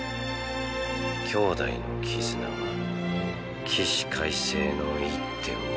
兄弟の絆は起死回生の一手を生み出す